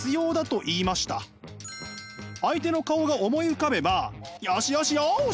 相手の顔が思い浮かべばよしよしよし！